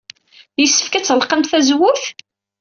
Yessefk ad tɣelqemt tazewwut?